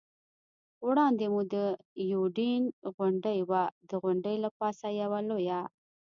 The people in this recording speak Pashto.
وړاندې مو د یوډین غونډۍ وه، د غونډۍ له پاسه یوه لویه.